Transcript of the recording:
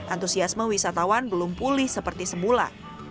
antusiasme wisatawan belum pulih seperti semula